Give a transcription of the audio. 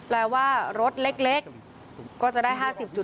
แปลว่ารถเล็กก็จะได้๕๐